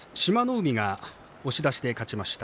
海が押し出しで勝ちました。